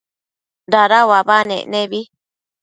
dada uabanec nebi